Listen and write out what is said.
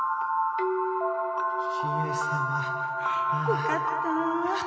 よかった。